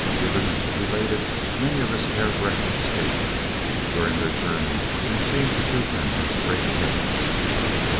Givens related many of his hairbreadth escapes during their journey, and seemed to treat them as great jokes.